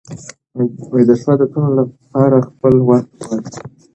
د ښو عادتونو خپلول وخت غواړي.